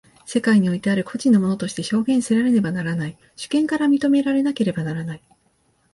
世界においてある個人の物として表現せられねばならない、主権から認められなければならない。